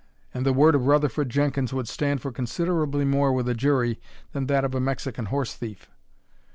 And the word of Rutherford Jenkins would stand for considerably more with a jury than that of a Mexican horse thief."